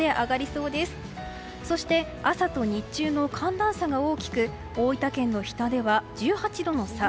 そして朝と日中の寒暖差が大きく大分県の日田では１８度の差。